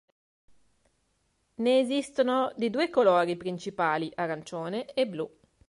Ne esistono di due colori principali: arancione e blu.